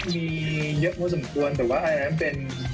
มีเยอะพอสมควรแต่ว่าอันนั้นเป็น